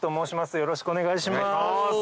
よろしくお願いします。